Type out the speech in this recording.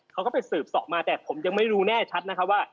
เขาก็ไปสืบสอบมาแต่ผมยังไม่รู้แน่ชัดนะคะว่า